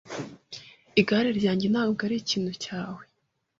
Igare ryanjye ntabwo arikintu cyawe.